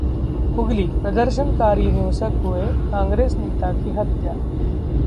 हुगली: प्रदर्शनकारी हिंसक हुए, कांग्रेस नेता की हत्या